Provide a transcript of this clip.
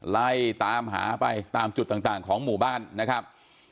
ไล่ตามหาไปตามจุดต่างของหมู่บ้านนะครับ